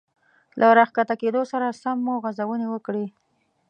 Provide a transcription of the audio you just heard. له را ښکته کېدو سره سم مو غځونې وکړې.